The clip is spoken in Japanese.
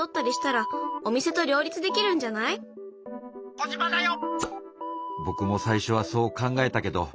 「コジマだよ！」。